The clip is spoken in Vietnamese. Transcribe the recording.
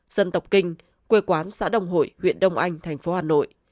dân tộc kinh quê quán xã đồng hội huyện đông anh thành phố hà nội